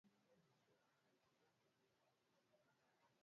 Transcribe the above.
kwa tuhuma ya kufuru ya kujilinganisha na Mungu